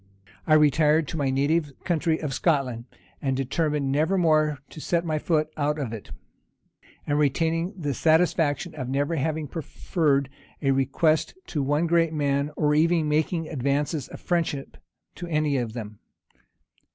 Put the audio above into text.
I retired to my native country of Scotland, determined never more to set my foot out of it; and retaining the satisfaction of never having preferred a request to one great man, or even making advances of friendship to any of them.